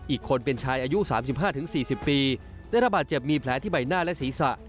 อีกคนเป็นชายอายุ๓๕๔๐ปีได้ระบาดเจ็บมีแผลที่ใบหน้าและศีรษะ